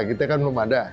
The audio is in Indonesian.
kita kan belum ada